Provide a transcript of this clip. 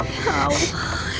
ya allah elsa